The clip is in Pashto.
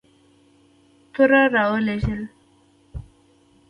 توره را ولېږل.